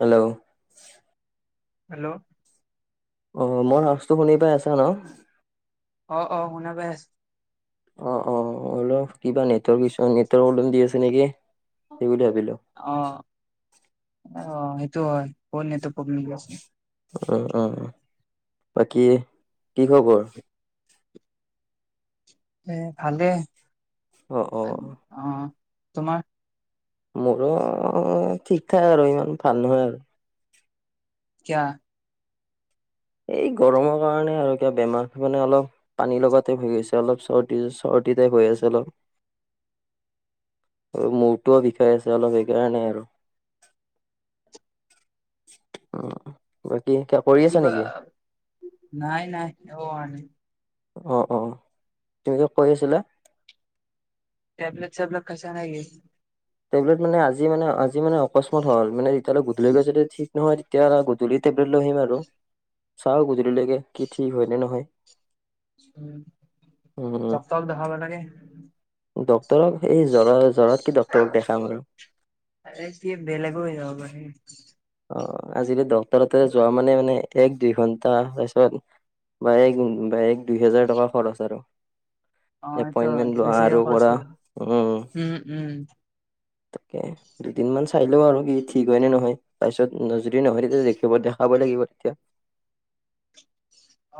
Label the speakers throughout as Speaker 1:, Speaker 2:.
Speaker 1: Hello
Speaker 2: hello
Speaker 1: অ' মই সাজটো শুনি পাই আছা ন।
Speaker 2: অ' অ' শুনা পাই আছো।
Speaker 1: অ' অ' অলপ কিবা নেটৱৰ্ক নেটৰ্ প্ৰব্লেম দি আছে নেকি সেই বুলি ভাবিলো।
Speaker 2: অ' অ' সেইটো হয় অলপ নেটৱৰ্ক প্ৰবলেম আছে।
Speaker 1: অ', অ' বাকী কি খবৰ?
Speaker 2: এ ভালেই
Speaker 1: অ' অ'
Speaker 2: অ' তোমাৰ?
Speaker 1: মোৰো ঠিক ঠাক আৰু ইমান ভাল নহয় আৰু।
Speaker 2: কিয়া?
Speaker 1: এই গৰমৰ কাৰণে আৰু কিব বেমাৰ মানে অলপ। পানীৰ লগা টাইপ হৈ গৈছে, অলপ চৰ্দি চৰ্দিতে হৈ আছে অলপ। মূৰটোও বিষাই আছে অলপ সেইকাৰণে আৰু। অ'। বাকী কা কই [unintelligible]
Speaker 2: কিবা নাই নাই একো ক'ৰা নাই।
Speaker 1: অ', অ', তুমি কিয় কৈ আছিলা?
Speaker 2: টেব্লেট চেবলেট খাইছা নে কি?
Speaker 1: টেবলেট মানে আজি মানে আজি মানে অকস্মাত হ'ল, মানে তেতিয়াহ'লে গধূলি কৈ যদি ঠিক নহয় তেতিয়া গধূলি টেবলেট লৈ আহিম আৰু। চাওঁ গধূলিলৈকে কি ঠিক হয় নে নহয়।
Speaker 2: উম,
Speaker 1: উম
Speaker 2: ডক্তৰক দেখাব লাগে।
Speaker 1: ডক্তৰক সে জ্বৰ জ্বৰত কি ডক্তৰক দেখাম আৰু।
Speaker 2: এ কি বেলেগো হৈ যাব পাৰে।
Speaker 1: অ' আজি ডক্টৰ তাতে যোৱা মানে মানে। এক দুই ঘন্টা পছত বা এক এক দুই হোজাৰ টকা খৰচ আৰু।
Speaker 2: অ সেইটো হয়
Speaker 1: এপইন্টমেণ্ট লোৱা
Speaker 2: বেছিকে
Speaker 1: আৰু
Speaker 2: খৰচ
Speaker 1: ক'ৰা।
Speaker 2: কৰিব
Speaker 1: উম তাকে দুদিনমান চাই লওঁ আৰু কি ঠিক হয় নে নহয়, তাৰ পিছত যদি নহয় তেতিয়া দেখিব দেখা ব লাগিব তেতিয়া।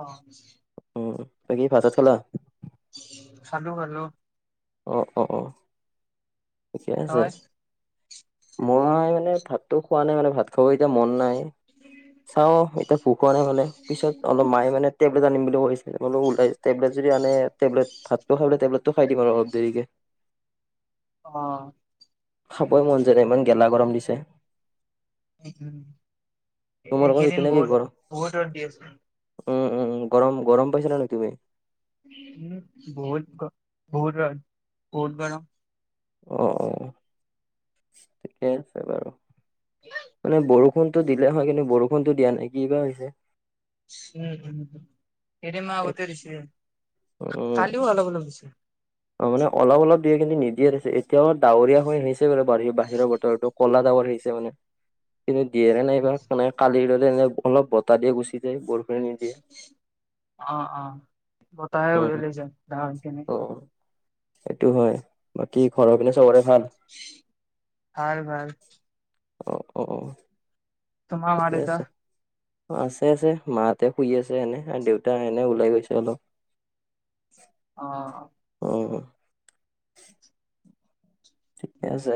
Speaker 2: অ'।
Speaker 1: উম, বাকী ভাত চাত খালা?
Speaker 2: খালো খালো।
Speaker 1: অ, ' অ, ' অ'। থিকে আছে,
Speaker 2: তই
Speaker 1: মই মানে ভাতটো খোৱা নাই মানে ভাত চ' এতিয়া মন নাই, চাওঁ এতিয়া ভোক হোৱা নাই মানে, পিছত অলপ মায়ে মানে টেবলেট আনিম বুলি কৈছে, বোলো ওলাই টবলেট যদি আনে টেবলেট ভাতটো খাইলৈ টেবলেটো খাই দিম আৰু অলপ দেৰিকে।
Speaker 2: অ'।
Speaker 1: খাবই মন যোৱা নাই ইমান গেলা গৰম দিছে।
Speaker 2: উম,
Speaker 1: তোমালোকৰ
Speaker 2: এইকেইদিন
Speaker 1: সেইপিনে কি
Speaker 2: বহুত
Speaker 1: গৰম?
Speaker 2: বহুত ৰ'দ দি আছে।
Speaker 1: উম, উম, গৰম গৰম পাইছা নে তুমি?
Speaker 2: উম বহুত বহুত বহুত গৰম।
Speaker 1: অ', অ' ঠিকেই আছে বাৰু।
Speaker 2: উ [unintelligible]
Speaker 1: মানে বৰষুণতো দিলে হয়, কিন্তু বৰষুণতো দিয়া নাই কিবা হৈছে?
Speaker 2: উম, হুম, কেই দিন মান আগতে দিছে,
Speaker 1: উম
Speaker 2: কালিও অলপ অলপ দিছে।
Speaker 1: অ' মানে অলপ অলপ দিয়ে কিন্তু নিদিয়ে, তাৰপিছত এতিয়া ডাৱৰীয়া হৈ আহিছে। দে বাৰু বাহিৰৰ বতৰো ক'লা ডাৱৰ আহিছে মানে কিন্তু দিয়েনে নাই বা? সে কালিৰ দৰে এনেই অলপ বতাহ দিয়ে গুচি যায় বৰ
Speaker 2: অ', অ' বতাহ
Speaker 1: উম,
Speaker 2: উৰিলৈ যায় ডাৱৰখিনি।
Speaker 1: অ', সেইটো হয়। বাকী ঘৰৰ পিনে চবৰে ভাল?
Speaker 2: ভাল ভাল।
Speaker 1: অ', অ', অ'।
Speaker 2: তোমাৰ মা
Speaker 1: ঠিকেই
Speaker 2: দেউতা?
Speaker 1: আছে। আছে আছে মাহ'তে শুই আছে এনে দেউতা এনে ওলাই গৈছে অলপ।
Speaker 2: অ'।
Speaker 1: উম। ঠিকে আছে।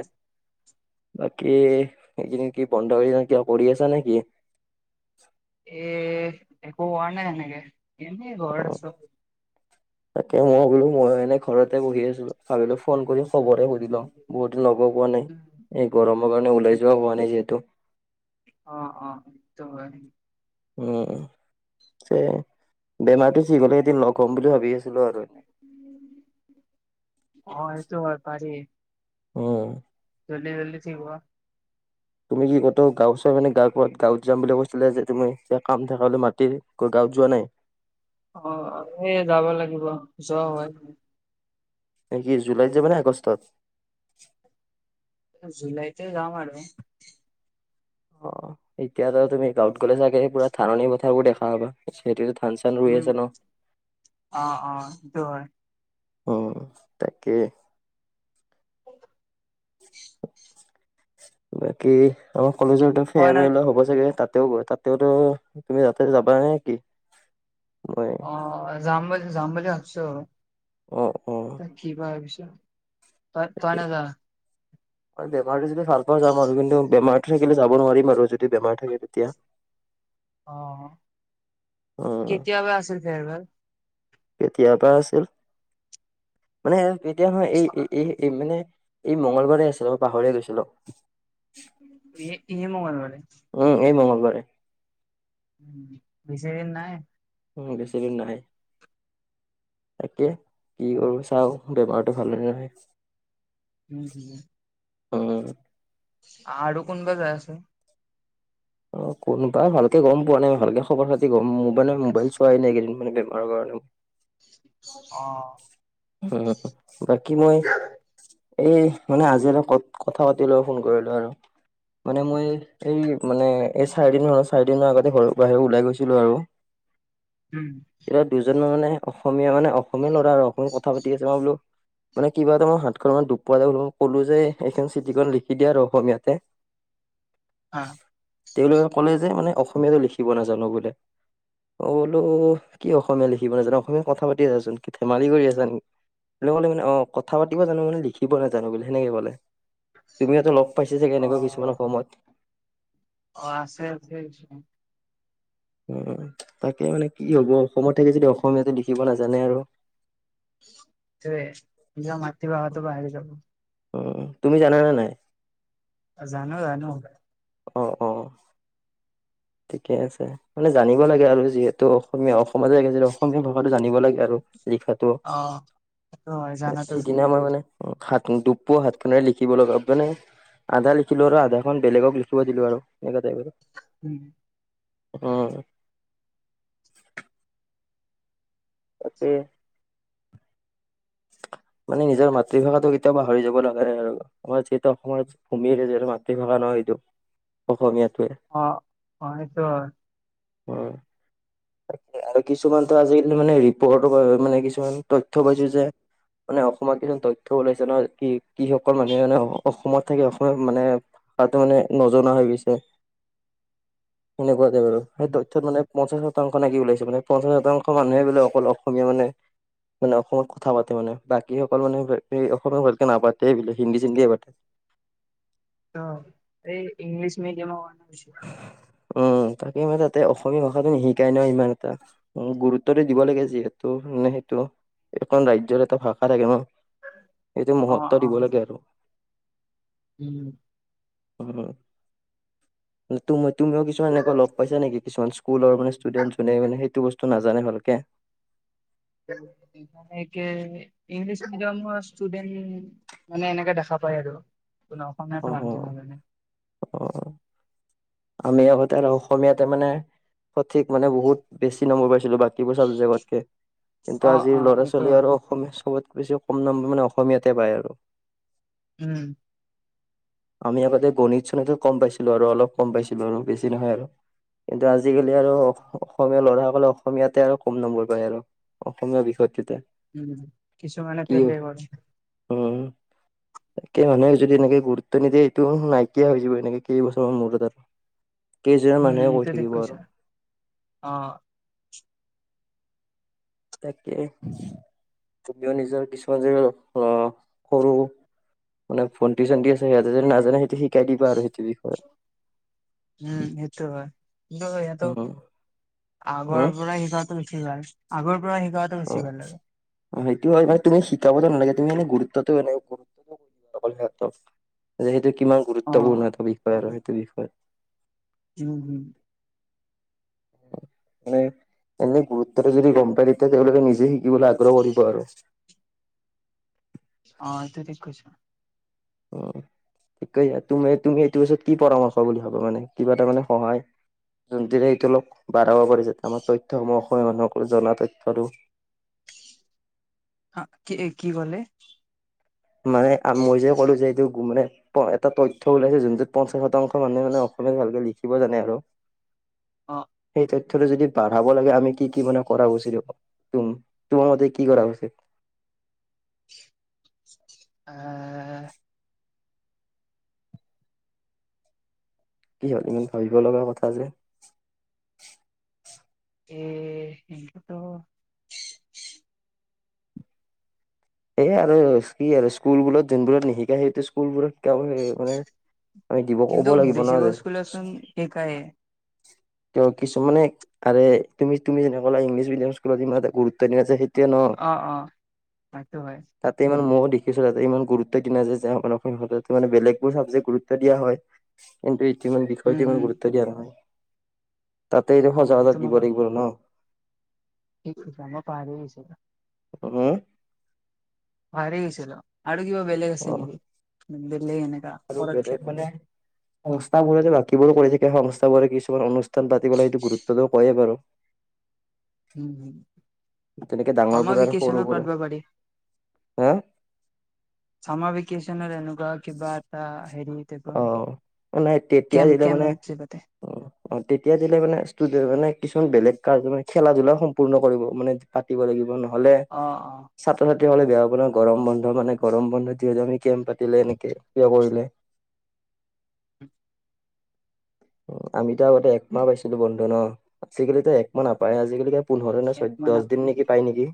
Speaker 1: বাকী এইকেইদিন কি বন্ধহৈ যায় কিবা কৰি আছা নেকি?
Speaker 2: এ একো নাই এনেকে এনে ঘৰত
Speaker 1: অ'।
Speaker 2: আচ
Speaker 1: তাকে মই বোলো মই এনে ঘৰতে বহি আছো ভালৈ ফোন কৰি খবৰে সুধি লম বহুত লগ পোৱা নাই এই গৰমৰ কাৰণে ওলাই যোৱা হোৱা নাই যিহেতু
Speaker 2: অ অ হেতু হয়
Speaker 1: উম বেমাৰটো ঠ হলে এদিন লগ হ'ম বুলি ভাবি আছিলো আৰু
Speaker 2: অ সেটো বেপাৰী
Speaker 1: অ
Speaker 2: জলদি জল্দি থিক হোৱা
Speaker 1: তুমি কি কত গাঁওচৰ মানে গাৱ কাত গাঁৱত যাম বুলি কৈছিলে যে তুমি যে কাম থাকলে মাটিৰ গৈ গাঁৱত যোৱা নাই
Speaker 2: অ এই যাব লাগিব ওচৰ হয়
Speaker 1: নেকি জুলাইত যাব নে আগষ্টত
Speaker 2: জুলাইতে যাম ম আৰু আৰু
Speaker 1: অ এতিয়াাতো তুমি গাঁৱত গ'লে চাগে পুৰা ধাননি পথাৰাবোৰ দেখা হবা সেইটোতো ধান চান ৰুই
Speaker 2: উম,
Speaker 1: আছে ন
Speaker 2: অ', অ', সেইটো হয়।
Speaker 1: অ তাকে
Speaker 2: উ
Speaker 1: বাকী আমাৰ কলেজৰো
Speaker 2: কয়
Speaker 1: ফেৰ
Speaker 2: ন
Speaker 1: মল হ'ব চাগে তাত তাও তাতেওতো তুমি যাতে যাবা নাই নে কি মই
Speaker 2: অ জাম জামবলি ভাবচু ৰ
Speaker 1: অ অ
Speaker 2: কি কৰা পিছত ত
Speaker 1: তাকে।
Speaker 2: তই নাজা
Speaker 1: [inaudible] বেমাৰটো যদি ভাল পা যাম আৰু কিন্তু বেমাৰটো থাকিলে যাব নোৱাৰিম আৰু যদি বেমাৰ থাকে তেতিয়া [inaudible]
Speaker 2: অ
Speaker 1: উম।
Speaker 2: কেতিয়াবা আছিল ফেয়ৰবেল
Speaker 1: কেতিয়াৰ পৰা আছিল মানে তেতিয়া হয়য এই মানে এই মংগলবাৰে আছিলে মই পাহৰিয়ে গৈছিলো
Speaker 2: ই ই মোবাইল মানে
Speaker 1: উম এই মংগলবাৰে
Speaker 2: উ বিচিদিন নাই
Speaker 1: উ বেছিদিন নাই তাকে কি
Speaker 2: অ
Speaker 1: কৰো চাও গেই বাৰটো ভালে নে
Speaker 2: উম উম
Speaker 1: অ [unintelligible]
Speaker 2: আৰু কোনোবাই যায় আছে
Speaker 1: অ কোনোবা ভালকে গ'ম পোৱা নাই ভালকে খবৰ খাতি গম মোবাই নাই মোবাইল চোৱাই কেইদিনানে বেমাৰৰ কাৰণে
Speaker 2: অ
Speaker 1: উ বাকী মই এ মানে আজি এ ক কথা পাতি ল ফোন কৰিলো আৰু মানে মই এই মানে এই চাৰিদিন হল চাৰিদিনৰ আগতে ঘৰ বাহিৰে ওলাই গৈছিলো আৰু
Speaker 2: হম
Speaker 1: তেতিয়া দুজন ম মানে অসমীয়া মানে অসমীয়া ল'ৰা আৰু অসমীয়া কথা পাতি আছে মই বোলো মানে কিবা এটা মই হাতখন মান দুুব পোৱালই ক'লো যে এইখন চিঠিখন লিখি দিয়া আৰু অসমীয়াতে
Speaker 2: অ
Speaker 1: তেওঁলোকে ক'লে যে মানে অসমীয়াাতটো লিখিব নাজানো বোলে অ বল কি অসমীয়া লিখিব নাজানো অসমীয়াাত কথা পাতি আছাচোন ধেমালি কৰি আছ কলে অ কথা পাতিব জানো মানে লিখিব নাজানো বুলি সেনেকে ক'লে তুমিহাতো লগ পাইছা চাগে
Speaker 2: অ
Speaker 1: এনেকুৱা কিছুমান সময়ত
Speaker 2: অ আছে আছে
Speaker 1: উ, তাকে মানে কি হ'ব, অসমত থাকি যদি অসমীয়া লিখিব নাজানে আৰু।
Speaker 2: তাকে নিজৰ মাতৃভাষাটো বাহিৰ হৈ যাব।
Speaker 1: উ, তুমি জানা নে নাই?
Speaker 2: জানো জানো।
Speaker 1: অ', অ'। ঠিকে আছে। মানে জানিব লাগে আৰু যিহেতু অসমীয়া অসমতে অসমীয়া ভাষাটো জানিব লাগে আৰু লিখাটো।
Speaker 2: অ সেইটো হয় জানাতো
Speaker 1: যিদিনা
Speaker 2: ঠিক।
Speaker 1: আমাৰ মানে হাত দুপোৱা, হাতখনেৰে লিখিব লগা মানে আধা লিখিলোঁ আৰু আধাখন বেলেগক লিখিব দিলোঁ আৰু এনেকা টাইপ আৰু।
Speaker 2: উম।
Speaker 1: উম। তাকে। মানে নিজৰ মাতৃভাষাটো কেতিয়াও পাহৰি যাব নালাগে আৰু। আমাৰ যিহেতু অসমৰ ভূমিৰ য মাতৃভাষা নহয় সেইটো অসমীয়াটোৱে।
Speaker 2: অ', অ' সেইটো হয়।
Speaker 1: উম। তাকে। আৰু কিছুমানতো আজিকালি মানে ৰিপৰ্ট মানে কিছুমান তথ্য পাইছোঁ যে মানে অসমত কিছুমান তথ্য ওলাইছে ন' কি কিসকল মানুহে মানে অসমত থাকে অসমীয়া মানে তাত মানে নজনা হৈ গৈছে। সেনেকুৱাতে বাৰু। সেই
Speaker 2: উম,
Speaker 1: তথ্যত মানে পঞ্চাশ শতাংশ নে ওলাইছে, মানে পঞ্চাশ শতাংশ মানুহে বোলে অকল অসমীয়া মানে মানে অসমত কথা পাতে মানে, বাকীসকল মানে অসমত ভালকে নাপাতে বোলে, হিন্দী চিন্দিয়ে পাতে।
Speaker 2: অ' এই ইংলিছ মিডিয়ামৰ কাৰণে বেছি হৈছে।
Speaker 1: উম, তাকে মই তাতে অসমীয়া ভাষাটো শিকাই ন' ইমান এটা। গুৰু টোতে দিব লাগে যিহেতু মনে সেইটো। এখন ৰাজ্যৰ এটা ভাষা থাকে ন'। এইটো
Speaker 2: অ
Speaker 1: মহত্ব
Speaker 2: অ
Speaker 1: দিব লাগে আৰু।
Speaker 2: উম।
Speaker 1: উম। নতো নতুনকে কিছুমান এনেকুৱা লগ পাইছা নেকি, কিছুমান স্কুলৰ মেষ্টুডেণ্ট যোনে মানে সেইটো বস্তু নাজানে ভালকে।
Speaker 2: লাহেকে ইংলিছ মিডিয়ামৰ ষ্টুডেণ্টখিনি মানে এনেকে দেখা পায় আৰু যোনে
Speaker 1: অ
Speaker 2: অসমীয়াতো
Speaker 1: অ
Speaker 2: ভালকে নাজানে।
Speaker 1: অ'। আমি আগতে আৰু অসমীয়াতে মানে সঠিক মানে বহুত বেছি নম্বৰ পাইছিলোঁ বাকীবোৰ চাবজেকতকে। কিন্তু
Speaker 2: অ
Speaker 1: আজিৰ
Speaker 2: অ
Speaker 1: ল'ৰা
Speaker 2: এইটো
Speaker 1: ছোৱালী
Speaker 2: হয়
Speaker 1: আৰু অসমীয়া চবত বেছি কম নাম্বাৰ মানে অসমীয়াতে পায় আৰু।
Speaker 2: উম।
Speaker 1: আমি আগতে গণিত চণীতো কম পাইছিলো আৰু অলপ কম পাইছিলো আৰু বেছি নহয় আৰু। কিন্তু আজিকালি আৰু অস অসমীয়া ল'ৰাসকলে অসমীয়াতে আৰু কম নম্বৰ পায় আৰু অসমীয়া বিষয়টোতে।
Speaker 2: উম, কিছুমানে
Speaker 1: কি
Speaker 2: ফেলে কৰে।
Speaker 1: উম, তামে মানে যদি এনেকে গুৰুত্ব নিদিয়ে এইটো নাইকিয়া হৈ যাব এনেকে কেইবছৰমানৰ মূৰত আৰু। কেইজনৰ
Speaker 2: উম
Speaker 1: মানুহে কৈ
Speaker 2: সেইটো ঠিক
Speaker 1: থাকিব
Speaker 2: কৈছা
Speaker 1: আৰু।
Speaker 2: অ'।
Speaker 1: তাকে। তমিও নিজৰ কিছুমান যে, অ' সৰু মানে ভণ্টি চনটি আছে, সিহঁতে যদি নাজানে সেইটো শিকাই দিবা আৰু সেইটো বি
Speaker 2: উম, এইটো হয়। কিন্তু সিহঁতো
Speaker 1: উম হম
Speaker 2: আগৰপৰা শিকাটো উঠি যায়, আগৰপৰা শিকোৱা
Speaker 1: অ
Speaker 2: বেছি ভাল আৰু।
Speaker 1: সেইটো হয়, মনে তুমি শিকাব নালাগে, তুমি এনে গুৰুত্বটো কেনেকে ক'ত [unintelligible] অকল সিহঁতক। সেইটো কিমান
Speaker 2: অ
Speaker 1: গুৰুত্বপূৰ্ণ এটা বিষয় আৰু সেইটো বিষয়।
Speaker 2: উম্ হুম।
Speaker 1: মানে এনে গুৰুত্বটো যদি গম পায় তেতিয়া তেওঁলোকে নিজে শিকিবলৈ আগ্ৰহ কৰিব আৰু
Speaker 2: অ' এটো থিক কৈছ।
Speaker 1: উ্ ঠিক কৈছা। তুমি তুমি সেইটো ওচৰত কি পৰামৰ্শ [unintelligible] মানে কিবা এটা মানে সহায় জোনটোৰে এইটো বঢ়াব পাৰি যা আমাৰ তথ্য সমূহ [unintelligible] মানুহক জনা তথ্যটো।
Speaker 2: হাকি কি ক'লে?
Speaker 1: মানে মই যে ক'লো যে এইটো গুমনে এটা তথ্য ওলাইছে, যোনটোত পঞ্চাশ শতাংশ মানুহে মানে অসমীয়াত ভালকে লিখিব জানে আৰু
Speaker 2: অ
Speaker 1: সেইটোত যদি বাঢ়াব লাগে, আমি কি কি মানে কৰা উচিত তোমাৰ মতে, কি কৰা উচিত।
Speaker 2: আহহ
Speaker 1: কি হ'ল, ইমান ভাবিব লগা কথা যে?
Speaker 2: এ সেটোতো
Speaker 1: এ আৰু কি আৰু স্কুলবোৰত যোনবোৰত নিশিকাই সেইটো স্কুলবোৰত শিকাব সেই মানে আমি দিব ক'ব লাগিব। নহয় যে,
Speaker 2: এই কায়ে
Speaker 1: তে কিছুমানে আৰে তুমি তুমি যেনেকে কলা ইংলিছ মিডিয়াম স্কুলত ইমান এটা গুৰুত্ব [unintelligible] যে সেইটোৱে ন,
Speaker 2: অ অ সেইটো হয়
Speaker 1: তাতে ইমান ময়ো দেখিছোঁ, তাতে ইমান গুৰুত্ব দিনায়ায যে মানে, বেলেগবোৰ চাবজেক্ গুৰত্ব দিয়া হয়। কিন্তু ইটো ইমান বিষয়টো
Speaker 2: উম,
Speaker 1: ইমান
Speaker 2: হুম,
Speaker 1: গুৰুত্ব দিয়া নহয়। তাতে
Speaker 2: অ',
Speaker 1: এইটো
Speaker 2: অ',
Speaker 1: সজাগতা
Speaker 2: সেইটো মই
Speaker 1: দিব লাগিব ন?
Speaker 2: মই পাহৰি গেছিলো।
Speaker 1: উ্
Speaker 2: পাহৰি গেছিলো, আৰু কিবা বলেগ
Speaker 1: অ
Speaker 2: আছে নেকি? বেলেগ এনেকা
Speaker 1: আৰু
Speaker 2: পদক্ষেপ
Speaker 1: বেলেগ মানে সংস্থাবোৰে বাকীবোৰো কৰি থাকে। সংস্থাাবোৰে কিছুমান অনুষ্ঠান পাতিবলৈ সেইটো গুৰুত্ব দো কয়েই বাৰু
Speaker 2: উম, হুম,
Speaker 1: তেনেকে
Speaker 2: চামাৰ
Speaker 1: ডাঙৰবোৰে আৰু
Speaker 2: ভেকেচনত
Speaker 1: সৰুবোৰে।
Speaker 2: পাতব পাৰি,
Speaker 1: হে
Speaker 2: চামাৰ বিকেশচন এনকুৱ কিবাএটা হেৰি তে প
Speaker 1: নাই তেতিয়া
Speaker 2: কেম্প
Speaker 1: দিলে মানে
Speaker 2: কেম্প যে পাতে।
Speaker 1: অ' অ' তেতিয়া দিলে মানে, ষ্টুেদে মানে কিছুমান বেলেগ কাৰ মানে খেলা ধূলা সম্পূৰ্ণ কৰিব মানে, পাতিব লাগিব ন? হ'লে
Speaker 2: অ', অ',
Speaker 1: ছাত্ৰ-ছাত্ৰীসকলে বেয়া হ'ব ন গৰম বন্ধ মানে গৰম বন্ধ। যিহেতু আমি কেম্প পাতিলে এনেকে কিয় কৰিলে।
Speaker 2: [unintelligible]
Speaker 1: আমিতো আগতে একমাহ পাইছিলো বন্ধ ন, আজিকালিতো একমাহ নাপায় আজিকালি পোন্ধৰ নে ছয়
Speaker 2: এক
Speaker 1: দহ
Speaker 2: মানত
Speaker 1: দিন নেকি পায় নেকি,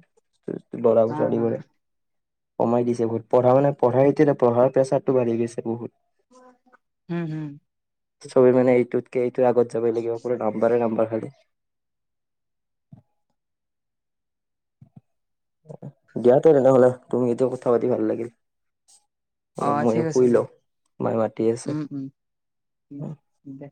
Speaker 1: ল'ৰা
Speaker 2: হা, হা,
Speaker 1: ছোৱালীবোৰে। কমাই দিছে বহুত পঢা
Speaker 2: ঠিক
Speaker 1: মানে পঢ়া এতিয়া পঢ়াৰ প্ৰেছাৰটো বঢ়ি গৈছে বহুত
Speaker 2: উম, হুম।
Speaker 1: চবে মানে ইটোতকে ইটোৱে আগত যাবই লাগিব। পোৰা নাম্বাৰে নাম্বাৰ খালি দিয়া তেনে নহ'লে তুমি এতিয়া কথা পাতি ভাল লাগিল।
Speaker 2: অ', ঠিক
Speaker 1: ময়ো
Speaker 2: আছে
Speaker 1: শুই
Speaker 2: দিয়া,
Speaker 1: লও, মায়ে মাতি আছে। অ
Speaker 2: ও দে,